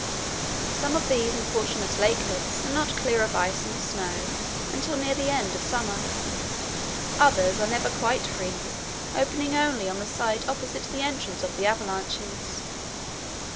Some of these unfortunate lakelets are not clear of ice and snow until near the end of summer. Others are never quite free, opening only on the side opposite the entrance of the avalanches.